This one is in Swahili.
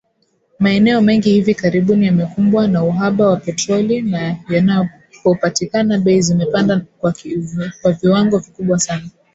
Maeneo mengi hivi karibuni yamekumbwa na uhaba wa petroli na yanapopatikana bei zimepanda kwa viwango vikubwa sana